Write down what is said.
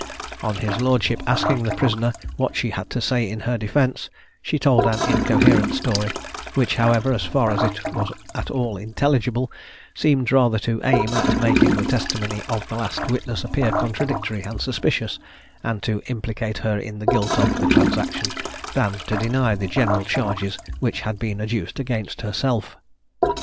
On his lordship asking the prisoner what she had to say in her defence, she told an incoherent story, which, however, as far as it was at all intelligible, seemed rather to aim at making the testimony of the last witness appear contradictory and suspicious, and to implicate her in the guilt of the transaction, than to deny the general charges which had been adduced against herself.